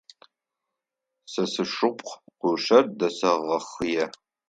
Сэ сшыпхъу кушъэр дэсэгъэхъые.